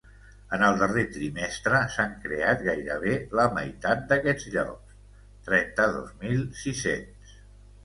En el darrer trimestre s’han creat gairebé la meitat d’aquests llocs: trenta-dos mil sis-cents.